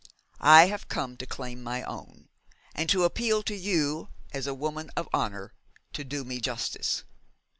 I have come to claim my own, and to appeal to you as a woman of honour to do me justice.